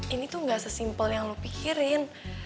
ini tuh gak sesimpel yang lo pikirin